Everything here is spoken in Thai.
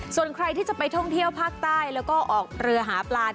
ส่วนใครที่จะไปท่องเที่ยวภาคใต้แล้วก็ออกเรือหาปลา